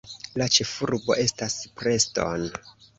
La ĉefurbo estas Preston.